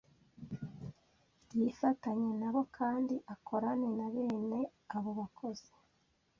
yifatanye nabo kandi akorane na bene abo bakozi